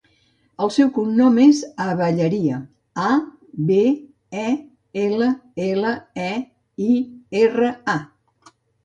El seu cognom és Abelleira: a, be, e, ela, ela, e, i, erra, a.